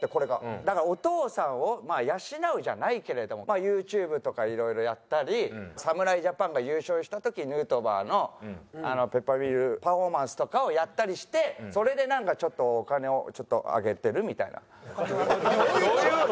だからお父さんを養うじゃないけれどもＹｏｕＴｕｂｅとかいろいろやったり侍ジャパンが優勝した時ヌートバーのペッパーミルパフォーマンスとかをやったりしてそれでなんかちょっとどういう事？